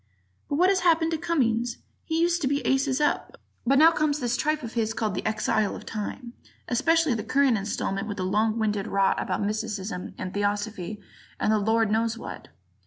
But what has happened to Cummings? He used to be aces up, but now comes this tripe of his called "The Exile of Time"; especially the current installment with its long winded rot about mysticism and theosophy and the Lord knows what.